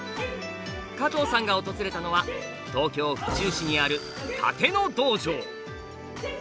加藤さんが訪れたのは東京府中市にある殺陣の道場。